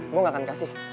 gue gak akan kasih